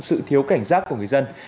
sự thiếu cảnh giác của người dân